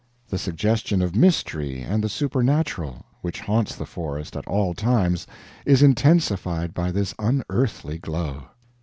The suggestion of mystery and the supernatural which haunts the forest at all times is intensified by this unearthly glow.